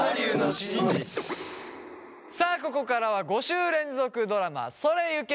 さあここからは５週連続ドラマ「それゆけ！